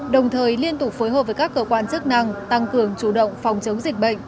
đồng thời liên tục phối hợp với các cơ quan chức năng tăng cường chủ động phòng chống dịch bệnh